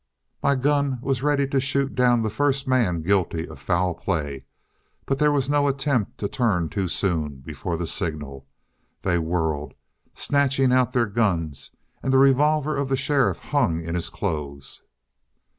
My gun was ready to shoot down the first man guilty of foul play but there was no attempt to turn too soon, before the signal. They whirled, snatching out their guns and the revolver of the sheriff hung in his clothes!"